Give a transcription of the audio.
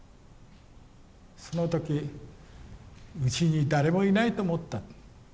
その時うちに誰もいないと思った。